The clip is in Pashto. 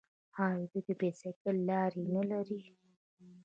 آیا دوی د بایسکل لارې نلري؟